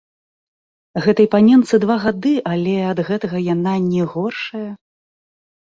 Гэтай паненцы два гады, але ад гэтага яна не горшая!